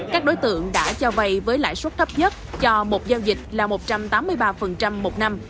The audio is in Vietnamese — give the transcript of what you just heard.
các đối tượng đã cho vay với lãi suất thấp nhất cho một giao dịch là một trăm tám mươi ba một năm